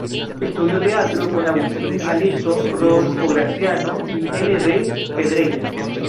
Estudió teatro con Agustín Alezzo, Rodolfo Graziano y L. D. Pedreira.